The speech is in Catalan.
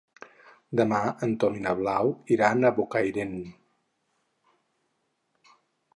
Demà en Tom i na Blau iran a Bocairent.